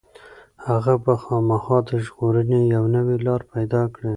هغه به خامخا د ژغورنې یوه نوې لاره پيدا کړي.